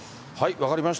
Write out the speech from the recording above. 分かりました。